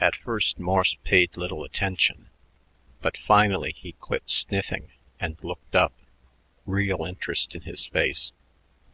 At first Morse paid little attention, but finally he quit sniffing and looked up, real interest in his face.